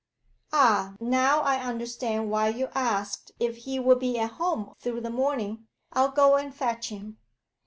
'Ah, now I understand why you asked if he would be at home through the morning. I'll go and fetch him.'